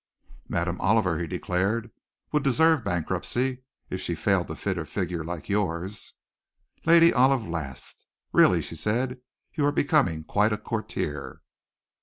"Madame Oliver," he declared, "would deserve bankruptcy if she failed to fit a figure like yours." Lady Olive laughed. "Really," she said, "you are becoming quite a courtier."